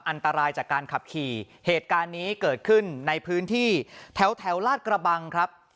อันตรายจากการขับขี่เหตุการณ์นี้เกิดขึ้นในพื้นที่แถวลาดกระบังครับ